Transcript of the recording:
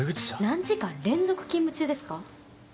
何時間連続勤務中ですか？